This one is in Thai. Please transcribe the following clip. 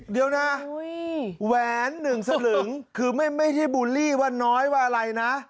เดี๋ยวนะอุ้ยแหวนหนึ่งสำหรับหนึ่งคือไม่ไม่ใช่บูลลี่ว่าน้อยว่าอะไรนะ